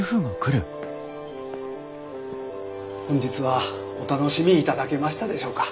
本日はお楽しみいただけましたでしょうか。